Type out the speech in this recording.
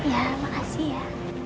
ya makasih ya